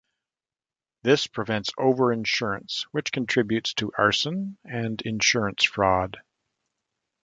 This prevents overinsurance, which contributes to arson and insurance fraud.